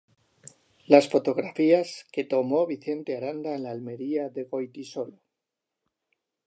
Las fotografías que tomó Vicente Aranda en la Almería de Goytisolo.